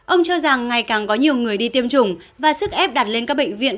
ông cho rằng ngày càng có nhiều người đi tiêm chủng và sức ép đặt lên các bệnh viện